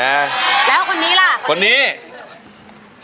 แล้วคนนี้ล่ะ